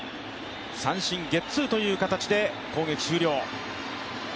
三振、ゲッツーという形で攻撃終了